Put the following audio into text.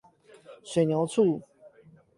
水牛厝